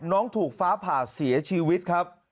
น้องถูกฟ้าผ่าเสียชีวิตครับ